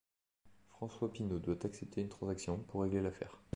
François Pinault doit accepter une transaction pour régler l’affaire.